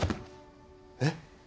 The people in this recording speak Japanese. えっ？